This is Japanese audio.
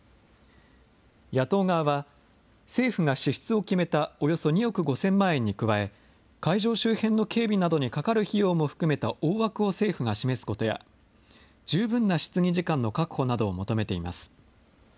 野党側は、政府が支出を決めたおよそ２億５０００万円に加え、会場周辺の警備などにかかる費用も含めた大枠を政府が示すことや、十分な質疑時間の確保などを求めています。